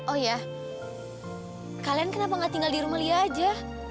oh ya kalian kenapa gak tinggal di rumah lia aja